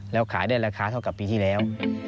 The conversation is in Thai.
แล้วขายได้ราคาเท่ากับปีที่แล้ว